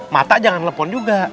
mata jangan nelfon juga